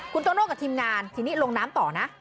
คุณโตโน่กับทีมงานทีนี้ลงน้ำต่อนะ